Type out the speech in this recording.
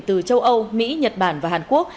từ châu âu mỹ nhật bản và hàn quốc